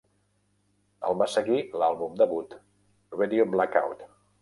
El va seguir l'àlbum debut, "Radio Blackout".